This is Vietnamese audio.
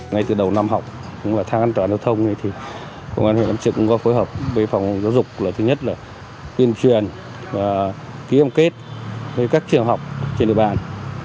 ngay từ đầu năm học thang an toàn giao thông thì công an huyện cẩm trực có phối hợp với phòng giáo dục là thứ nhất là tuyên truyền và ký cam kết với các trường học trên địa bàn